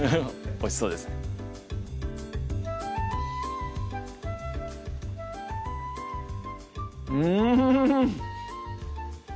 おいしそうですうん！